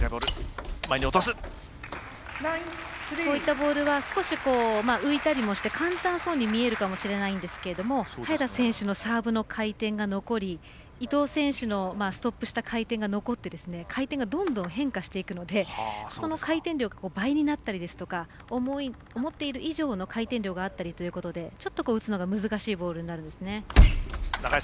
こういったボールは少し浮いたりもして簡単そうに見えるかもしれないんですが早田選手のサーブの回転が残り伊藤選手のストップした回転が残って回転がどんどん変化していくのでその回転量が倍になったりですとか思っている以上の回転量があったりということでちょっと、打つのが難しいボールになるんですね。